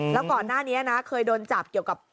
แล้วก่อนหน้านี้นะเคยโดนจับเกี่ยวกับ